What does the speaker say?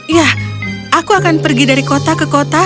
ya aku akan pergi dari kota ke kota